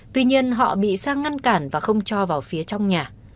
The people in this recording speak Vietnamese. tuy nhiên họ bị sang ngăn cản và không cho vào phía trong nhà